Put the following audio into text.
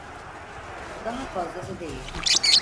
Daha fazlası değil.